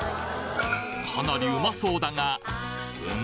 かなりウマそうだがん？